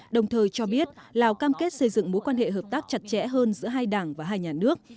đồng thời cho biết lào cam kết xây dựng mối quan hệ hợp tác chặt chẽ hơn giữa hai đảng và hai nhà nước